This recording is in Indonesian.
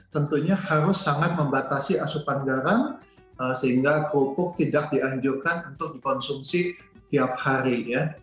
tentunya harus sangat membatasi asupan garam sehingga kerupuk tidak dianjurkan untuk dikonsumsi tiap hari ya